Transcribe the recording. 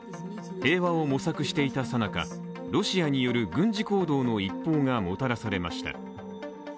平和を模索していたさなか、ロシアによる軍事行動の一報がもたらされました。